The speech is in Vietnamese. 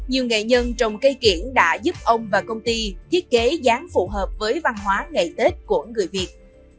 nhiều nghệ nhân trồng cây kiển đã giúp ông và công ty thiết kế dáng phù hợp với văn hóa ngày tết của người việt